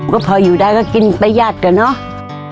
ก็พออยู่ได้ก็กินประหยัดกันเนอะ